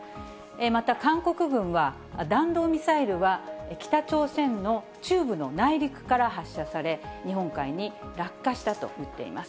また韓国軍は、弾道ミサイルは、北朝鮮の中部の内陸から発射され、日本海に落下したと言っています。